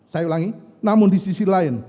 saya ulangi namun di sisi lain